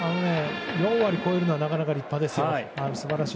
４割超えるのはなかなか立派ですよ。